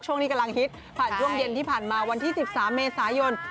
ช่วงนี้กำลังฮิตผ่านช่วงเย็นที่ผ่านมาวันที่๑๓เมษายน